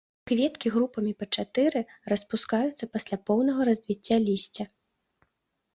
Кветкі групамі па чатыры, распускаюцца пасля поўнага развіцця лісця.